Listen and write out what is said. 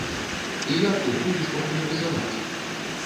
І як тут будзеш папулярызаваць?